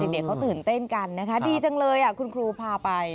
เด็กเขาตื่นเต้นกันนะคะดีจังเลยคุณครูพาไป